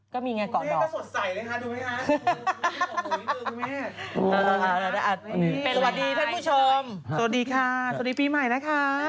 ก็มีไงก่อนตรงนี้ก็สดใสเลยค่ะดูมั้ยคะสวัสดีค่ะสวัสดีปีใหม่นะคะ